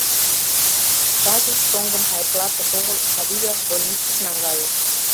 Стасик шоҥгым Айплатыш огыл, а вигак больницыш наҥгайыш.